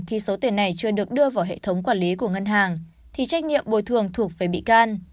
khi số tiền này chưa được đưa vào hệ thống quản lý của ngân hàng thì trách nhiệm bồi thường thuộc về bị can